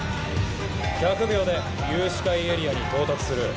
１００秒で有視界エリアに到達する。